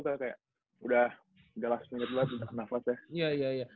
kayak udah last minute luar udah nafas ya